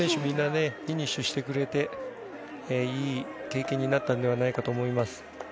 みんなフィニッシュしてくれていい経験になったのではないかと思います。